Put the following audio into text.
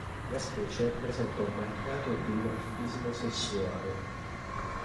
La specie presenta un marcato dimorfismo sessuale.